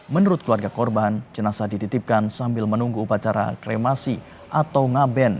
menurut keluarga korban jenazah dititipkan sambil menunggu upacara kremasi atau ngaben